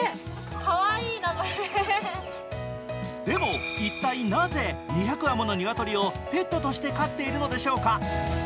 でも一体なぜ２００羽ものニワトリをペットとして飼っているのでしょうか。